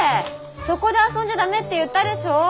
そこで遊んじゃ駄目って言ったでしょ？